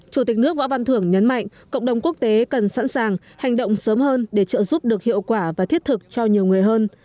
chủ tịch nước võ văn thưởng nhấn mạnh cộng đồng quốc tế cần sẵn sàng hành động sớm hơn để trợ giúp được hiệu quả và thiết thực cho nhiều người hơn